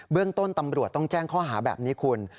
เรื่องต้นตำรวจต้องแจ้งข้อหาแบบนี้คุณ